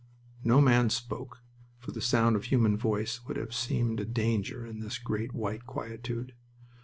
No man spoke, for the sound of a human voice would have seemed a danger in this great white quietude.